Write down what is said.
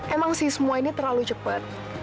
emang sih semua ini terlalu cepat